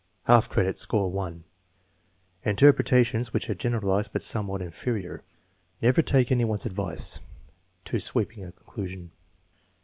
Half credit; score 1. Interpretations which are generalized but somewhat inferior: "Never take any one's advice" (too sweeping a conclusion).